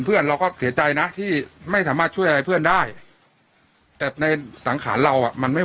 เพื่อนเราก็เสียใจนะที่ไม่สามารถช่วยอะไรเพื่อนได้แต่ในสังขารเราอ่ะมันไม่